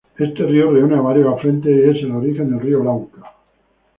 Este río reúne a varios afluentes y es el origen del río Lauca.